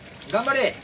頑張れ。